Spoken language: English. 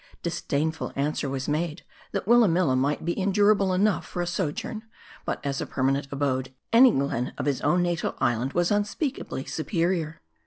Disdainful answer was made, that Willamilla might be endurable enough for a sojourn, but as a permanent abode, any glen of his own natal isle was unspeakably superior.